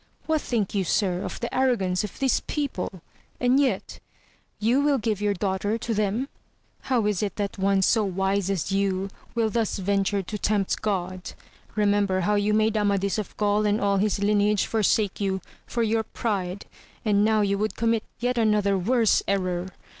What think you sir, of the arrogance of this people? and yet you will give your daughter to them! AMADIS OF GAUL. 83 how is it that one so wise as you will thus venture to tempt God? remember how you made Amadis of Gaul and all his lineage forsake you, for your pride, and now you would commit yet another worse error